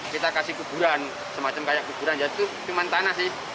kita kasih kuburan semacam kayak kuburan ya itu cuma tanah sih